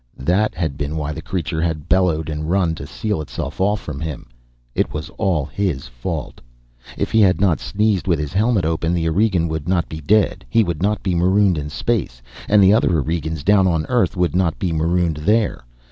That had been why the creature had bellowed and run to seal itself off from him. It was all his fault. If he had not sneezed with his helmet open, the Aurigean would not be dead. He would not be marooned in space. And the other Aurigeans, down on Earth, would not be marooned there.